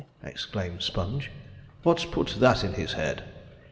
exclaimed Sponge, 'what's put that in his head?'